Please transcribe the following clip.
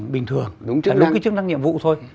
bình thường đúng cái chức năng nhiệm vụ thôi